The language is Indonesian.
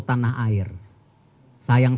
tanah air sayang